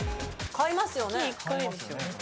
買いますよ。